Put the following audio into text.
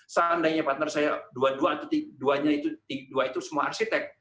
seandainya partner saya dua duanya itu semua arsitek